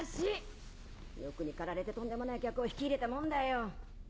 ・・欲にかられてとんでもない客を引き入れたもんだよ・